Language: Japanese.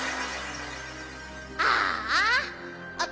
ああ。